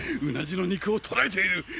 うなじの肉を捉えている！！